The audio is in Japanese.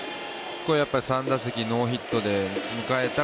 ３打席ノーヒットで迎えた